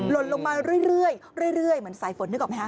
ลนลงมาเรื่อยเหมือนสายฝนนึกออกไหมฮ